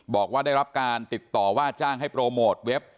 บอกว่าได้รับการติดต่อว่าจ้างให้โปรโมทเว็บ